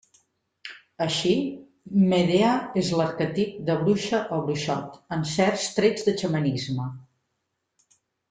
Així, Medea és l'arquetip de bruixa o bruixot, amb certs trets de xamanisme.